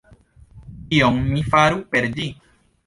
Kion mi faru per ĝi?